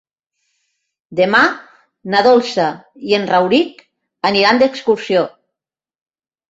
Demà na Dolça i en Rauric aniran d'excursió.